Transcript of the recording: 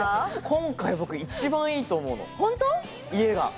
今回一番いいと思うの、家が。